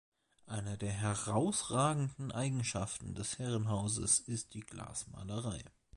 Eine der herausragenden Eigenschaften des Herrenhauses ist die Glasmalerei.